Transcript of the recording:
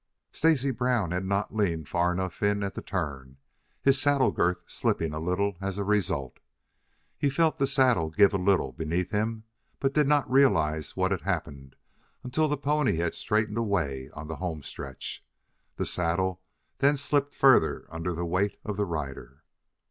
Stacy Brown had not leaned far enough in at the turn, his saddle girth slipping a little as a result. He felt the saddle give a little beneath him, but did not realize what had happened until the pony had straightened away on the home stretch. The saddle then slipped still further under the weight of the rider.